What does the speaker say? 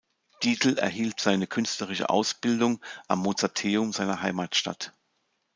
Dietl erhielt seine künstlerische Ausbildung am Mozarteum seiner Heimatstadt.